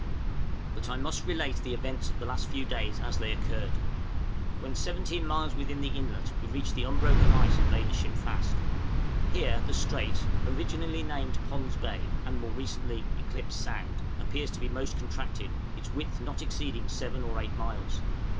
But I must relate the events of the last few days as they occurred. When 17 miles within the inlet we reached the unbroken ice and made the ship fast. Here the strait originally named Pond's Bay, and more recently Eclipse Sound appears to be most contracted, its width not exceeding 7 or 8 miles.